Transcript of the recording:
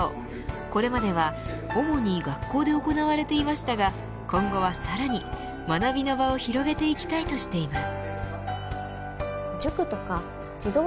これまでは主に学校で行われていましたが今後はさらに学びの場を広げていきたいとしています。